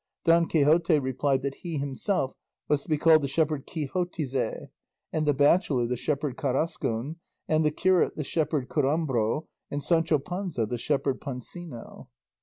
Don Quixote replied that he himself was to be called the shepherd Quixotize and the bachelor the shepherd Carrascon, and the curate the shepherd Curambro, and Sancho Panza the shepherd Pancino.